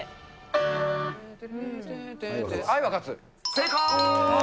正解。